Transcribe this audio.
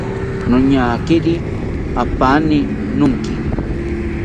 Noñakiri apaani nonki